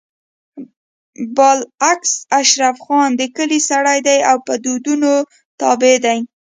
بالعكس اشرف خان د کلي سړی دی او په دودونو تابع دی